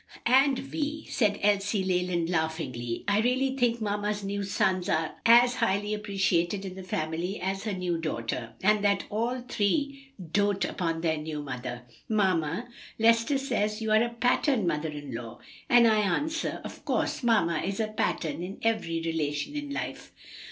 "And, Vi," said Elsie Leland laughingly, "I really think mamma's new sons are as highly appreciated in the family as her new daughter, and that all three doat upon their new mother. Mamma, Lester says you are a pattern mother in law, and I answer, 'Of course; mamma is a pattern in every relation in life.'"